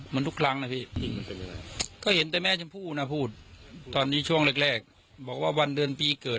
เหมือนทุกครั้งนะพี่